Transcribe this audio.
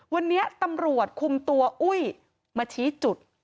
วันนี้ตำรวจคุมตัวอุ้ยมาชี้จุด